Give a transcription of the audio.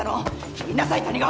言いなさい谷川！